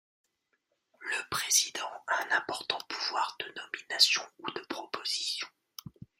Le président a un important pouvoir de nomination ou de proposition.